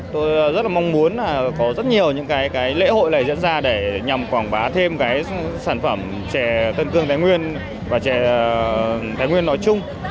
tôi rất là mong muốn là có rất nhiều những cái lễ hội này diễn ra để nhằm quảng bá thêm cái sản phẩm trẻ tân cương thái nguyên và trẻ thái nguyên nói chung